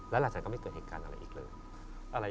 แล้วหลังจากนั้นก็ไม่เกิดเหตุการณ์อะไรอีกเลย